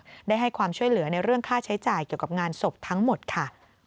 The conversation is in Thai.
ได้ให้ความช่วยเหลือในเรื่องค่าใช้จ่ายเกี่ยวกับงานศพทั้งหมดค่ะ